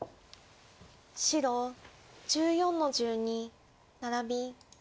白１４の十二ナラビ。